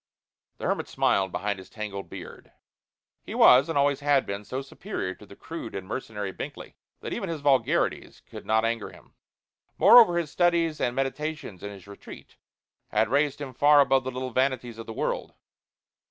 The hermit smiled behind his tangled beard. He was and always had been so superior to the crude and mercenary Binkley that even his vulgarities could not anger him. Moreover, his studies and meditations in his retreat had raised him far above the little vanities of the world.